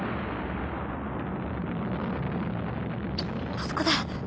あそこだ。